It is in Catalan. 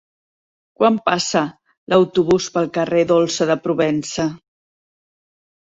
Quan passa l'autobús pel carrer Dolça de Provença?